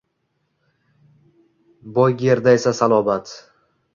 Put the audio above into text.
Boy gerdaysa-salobat.